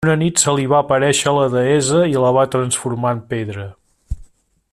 Una nit se li va aparèixer la deessa i la va transformar en pedra.